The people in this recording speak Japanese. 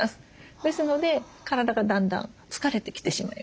ですので体がだんだん疲れてきてしまいます。